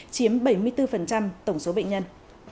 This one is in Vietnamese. chiếm bảy mươi bốn tổng số bệnh nhân